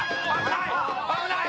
危ない！